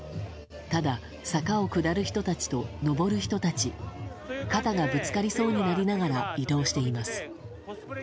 ただ、坂を下る人たちと上る人たち肩がぶつかりそうになりながら移動しています。